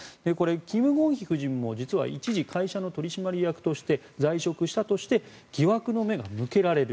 キム・ゴンヒ夫人も一時会社の取締役として在職したとして疑惑の目が向けられる。